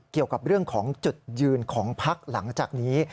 เกี่ยวกับเรื่องของจุดยืนของพักหลังจากนี้